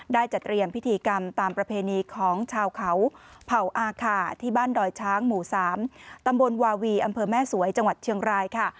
จัดเตรียมพิธีกรรมตามประเพณีของชาวเขาเผ่าอาคาที่บ้านดอยช้างหมู่๓ตำบลวาวีอำเภอแม่สวยจังหวัดเชียงรายค่ะ